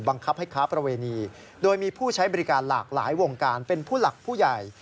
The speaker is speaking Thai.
บังคับให้ค้าประเวณีโดยมีผู้ใช้บริการหลากหลายวงการเป็นผู้หลักผู้ใหญ่